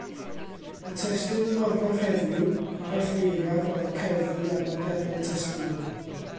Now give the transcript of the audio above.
Y testun yn orgraff heddiw, aralleiriad o'r cerddi a nodiadau testunol.